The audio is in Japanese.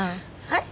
はい？